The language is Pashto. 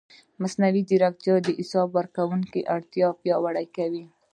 مصنوعي ځیرکتیا د حساب ورکونې اړتیا پیاوړې کوي.